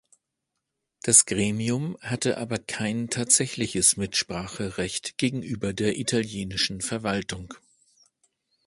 Das Gremium hatte aber kein tatsächliches Mitspracherecht gegenüber der italienischen Verwaltung.